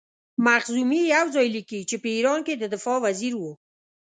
مخزومي یو ځای لیکي چې په ایران کې د دفاع وزیر وو.